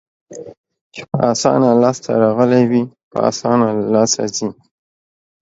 چې په اسانه لاس ته راغلي وي، په اسانه له لاسه ځي.